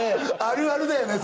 あるあるだよね